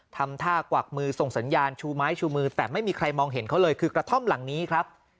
ทำท่ากวักมือส่งสัญญาณชูไม้ชูมือแต่ไม่มีใครมองเห็นเขาเลยคือกระท่อมหลังนี้ครับ